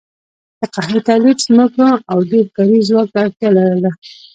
د قهوې تولید ځمکو او ډېر کاري ځواک ته اړتیا لرله.